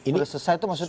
sudah selesai itu maksudnya